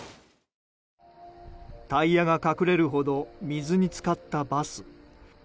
タイヤが隠れるほど水に浸かったバス。